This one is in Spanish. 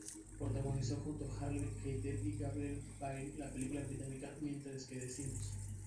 Protagonizó junto con Harvey Keitel y Gabriel Byrne la película británica "Mentiras Que Decimos".